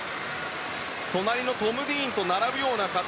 隣のトム・ディーンと並ぶような形。